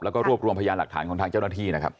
แล้วก็รวบรวมพยานหลักฐานของทางเจ้าหน้าที่นะครับ